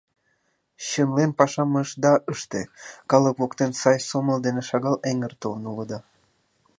Чынлен пашам ышда ыште, калык воктен сай сомыл дене шагал эҥертылын улыда.